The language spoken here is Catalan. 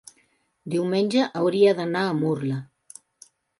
Diumenge hauria d'anar a Murla.